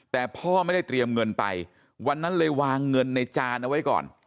แต่พ่อไม่ได้เตรียมเงินไปวันนั้นเลยวางเงินในจานเอาไว้ก่อน